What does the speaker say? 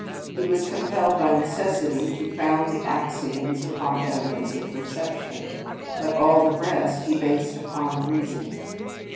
He was compelled by necessity to found the axioms upon evidence of perception (φαινομενον), but all the rest he based upon reasoning (νουμενον).